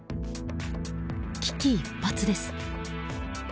危機一髪です。